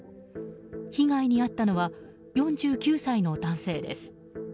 被害に遭ったのは４９歳の男性です。